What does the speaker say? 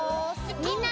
みんな！